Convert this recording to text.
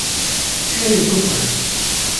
Ew ê bixwe